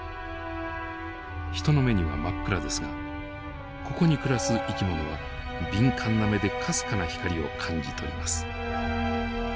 人の目には真っ暗ですがここに暮らす生き物は敏感な目でかすかな光を感じ取ります。